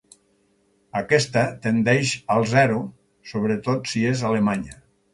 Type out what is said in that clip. Aquesta tendeix al zero, sobretot si és alemanya.